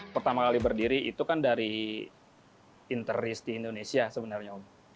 pertama kali berdiri itu kan dari interis di indonesia sebenarnya om